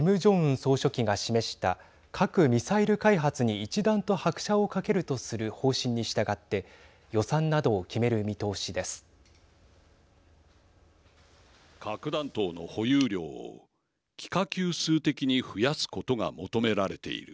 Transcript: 総書記が示した核・ミサイル開発に一段と拍車をかけるとする方針に従って予算などを決める見通しです。